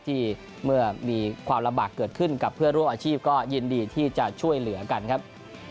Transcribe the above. เมื่อมีความลำบากเกิดขึ้นกับเพื่อนร่วมอาชีพก็ยินดีที่จะช่วยเหลือกันครับ